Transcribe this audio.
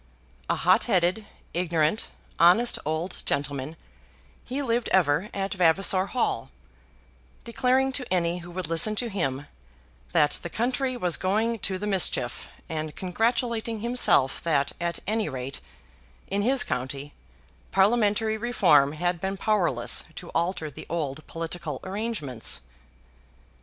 A hot headed, ignorant, honest old gentleman, he lived ever at Vavasor Hall, declaring to any who would listen to him, that the country was going to the mischief, and congratulating himself that at any rate, in his county, parliamentary reform had been powerless to alter the old political arrangements.